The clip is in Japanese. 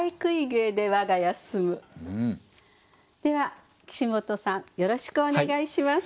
では岸本さんよろしくお願いします。